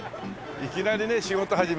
いきなりね仕事始めにね